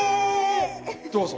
どうぞ。